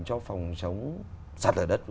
cho phòng chống sắt ở đất